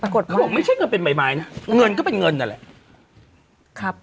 เขาบอกไม่ใช่เงินเป็นใบไม้นะเงินก็เป็นเงินนั่นแหละครับ